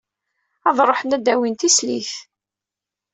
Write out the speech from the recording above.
Ad ruḥen ad d-awin tislit.